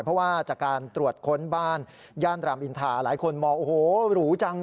เพราะว่าจากการตรวจค้นบ้านย่านรามอินทาหลายคนมองโอ้โหหรูจัง